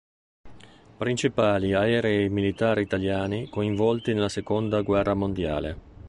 Principali aerei militari italiani coinvolti nella seconda guerra mondiale.